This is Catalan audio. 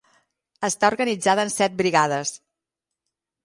Està organitzada en set brigades.